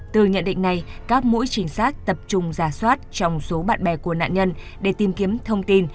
từ nhận định này các mũi trình sát tập trung giả soát trong số bạn bè của nạn nhân để tìm kiếm thông tin